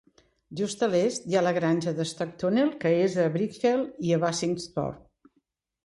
Just a l'est hi ha la granja Stoke Tunnel, que és a Bitchfield i Bassingthorpe.